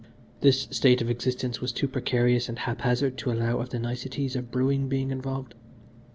This state of existence was too precarious and haphazard to allow of the niceties of brewing being evolved.